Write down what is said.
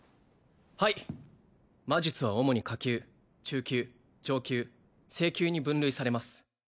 はい魔術は主に下級中級上級聖級に分類されます